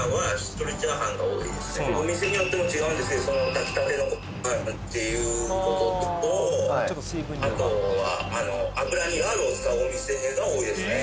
お店によっても違うんですけど炊きたてのご飯っていうこととあとは脂にラードを使うお店が多いですね